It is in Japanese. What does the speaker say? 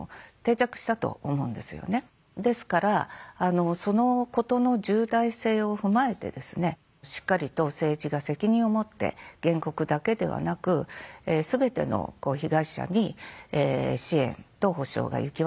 ですからそのことの重大性を踏まえてですねしっかりと政治が責任を持って原告だけではなく全ての被害者に支援と補償が行き渡る。